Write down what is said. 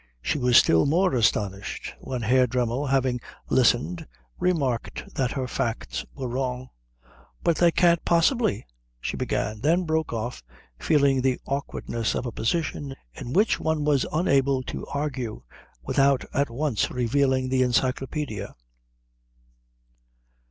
She was still more astonished when Herr Dremmel, having listened, remarked that her facts were wrong. "But they can't possibly " she began; then broke off, feeling the awkwardness of a position in which one was unable to argue without at once revealing the "Encyclopædia."